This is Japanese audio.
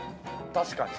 確かに。